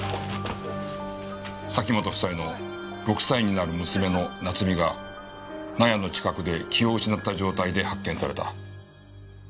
崎本夫妻の６歳になる娘の菜津美が納屋の近くで気を失った状態で発見された。